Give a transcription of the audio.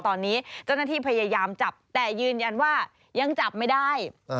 ตอนนี้เจ้าหน้าที่พยายามจับแต่ยืนยันว่ายังจับไม่ได้